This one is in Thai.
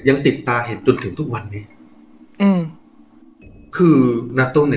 ยังติดตาเห็นจนถึงทุกวันนี้อืมคือนาตุ้มเนี้ย